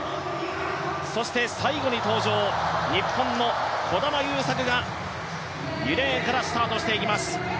そして、最後に登場日本の児玉悠作が２レーンからスタートしていきます